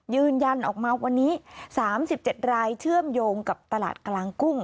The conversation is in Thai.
ยืนยันออกมาวันนี้๓๗รายเชื่อมโยงกับตลาดกลางกุ้ง